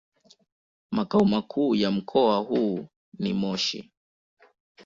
Makao makuu ya mkoa huu ni Moshi.